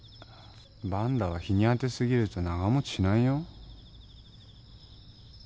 バンダは日に当てすぎると長持ちしないよ。